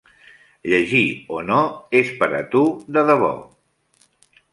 Llegir o no, és per a tu, de debò.